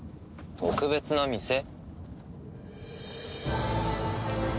特別な店？